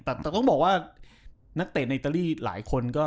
แต่ต้องบอกว่านักเตะในอิตาลีหลายคนก็